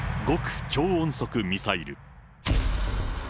極超音速ミサイル。